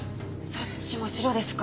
そっちもシロですか。